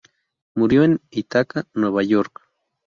Murió en Ithaca, Nueva York.